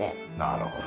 なるほど。